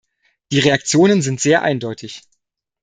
Die Reaktionen sind sehr eindeutig.